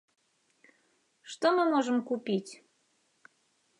Што мы можам купіць?